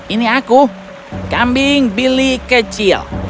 ini aku kambing bili kecil